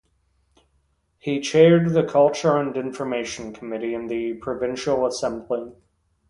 He chaired the culture and information committee in the provincial assembly.